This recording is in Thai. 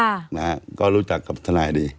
ค่ะนะฮะก็รู้จักกับทนายดี